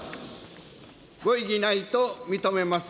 ご異議ないと認めます。